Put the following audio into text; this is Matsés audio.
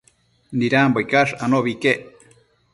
Nidambo icash anobi iquec